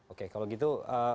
oke kalau gitu